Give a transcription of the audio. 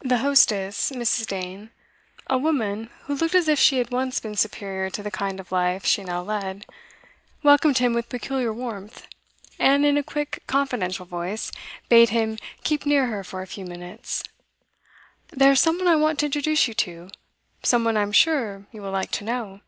The hostess, Mrs. Dane, a woman who looked as if she had once been superior to the kind of life she now led, welcomed him with peculiar warmth, and in a quick confidential voice bade him keep near her for a few minutes. 'There's some one I want to introduce you to some one I'm sure you will like to know.